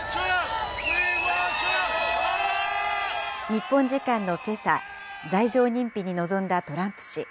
日本時間のけさ、罪状認否に臨んだトランプ氏。